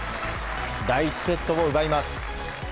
第１セットを奪います。